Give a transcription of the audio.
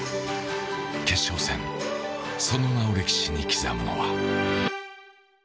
決勝戦、その名を歴史に刻むのは。